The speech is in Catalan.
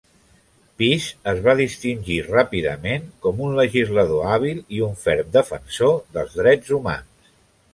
Pease es va distingir ràpidament com un legislador hàbil i un ferm defensor dels drets humans.